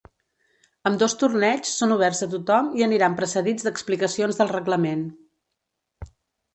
Ambdós torneigs són oberts a tothom i aniran precedits d’explicacions del reglament.